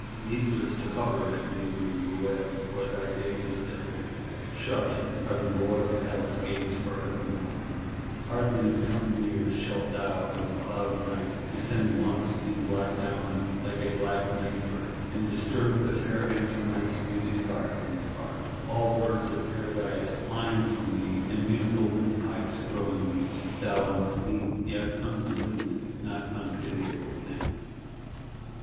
Needless to hover at neighbouring Ruel; for thy day is done. Shut are the royal palace gates for evermore; hardly in coming years shalt thou, under cloud of night, descend once, in black domino, like a black night bird, and disturb the fair Antoinette's music party in the Park: all Birds of Paradise flying from thee, and musical windpipes growing mute. Thou unclean, yet unmalignant, not unpitiable thing!